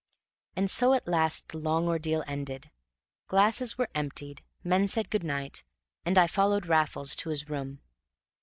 And so at last the long ordeal ended; glasses were emptied, men said good night, and I followed Raffles to his room.